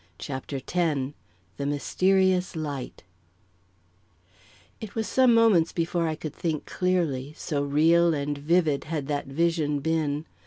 CHAPTER X The Mysterious Light It was some moments before I could think clearly, so real and vivid had that vision been.